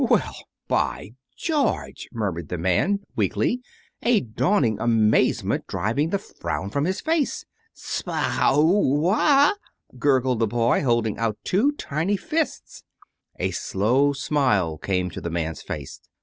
"Well, by George!" murmured the man, weakly, a dawning amazement driving the frown from his face. "Spgggh oo wah!" gurgled the boy, holding out two tiny fists. A slow smile came to the man's face.